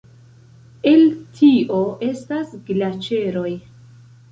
El tio estas glaĉeroj.